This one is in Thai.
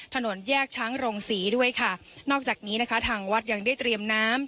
ถนนแยกช้างโรงศรีด้วยค่ะนอกจากนี้นะคะทางวัดยังได้เตรียมน้ำ